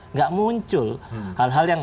nggak muncul hal hal yang